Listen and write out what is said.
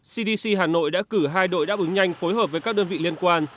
cdc hà nội đã cử hai đội đáp ứng nhanh phối hợp với các đơn vị liên quan